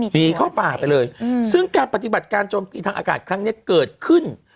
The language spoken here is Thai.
หนีเข้าป่าไปเลยซึ่งการปฏิบัติการโจมตีทางอากาศครั้งนี้เกิดขึ้น